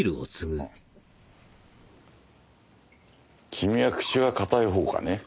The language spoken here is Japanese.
君は口は堅いほうかね？